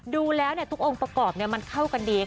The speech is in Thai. ดูแล้วทุกองค์ประกอบมันเข้ากันดี